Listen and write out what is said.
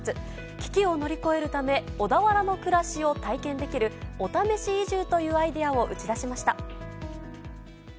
危機を乗り越えるため、小田原の暮らしを体験できる、お試し移住というアイデアを打ち出しました。